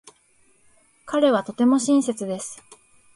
彼はとても親切です。